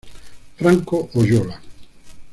Franco Oyola.